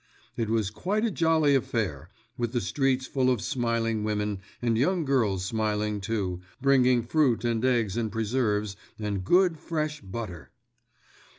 It was quite a jolly affair, with the streets full of smiling women and young girls smiling too, bringing fruit and eggs and preserves, and good, fresh butter.